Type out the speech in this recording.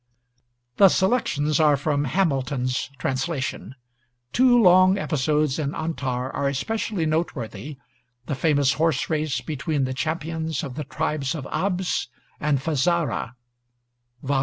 [The selections are from Hamilton's translation. Two long episodes in 'Antar' are especially noteworthy: the famous horse race between the champions of the tribes of Abs and Fazarah (Vol.